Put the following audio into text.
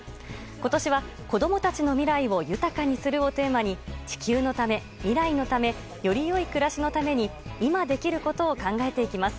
今年は子供たちの未来を豊かにするをテーマに地球のため未来のためより良い暮らしのために今できることを考えていきます。